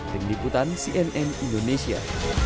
dengan ikutan cnn indonesia